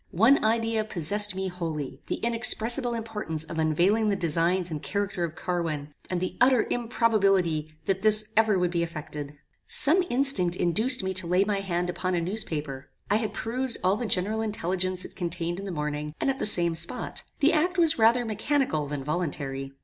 One idea possessed me wholly; the inexpressible importance of unveiling the designs and character of Carwin, and the utter improbability that this ever would be effected. Some instinct induced me to lay my hand upon a newspaper. I had perused all the general intelligence it contained in the morning, and at the same spot. The act was rather mechanical than voluntary.